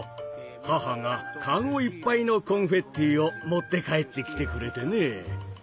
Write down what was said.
母がカゴいっぱいのコンフェッティを持って帰ってきてくれてね。